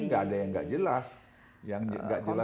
sehingga tidak ada yang tidak jelas